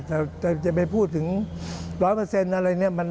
แต่จะไปพูดถึง๑๐๐อะไรเนี่ย